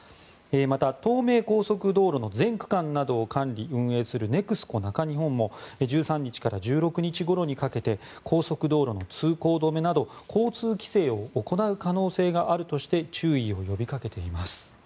また東名高速道路の全区間などを管理、運営するＮＥＸＣＯ中日本も１３日から１６日ごろにかけて高速道路の通行止めなど交通規制を行う可能性があるとして注意を呼びかけています。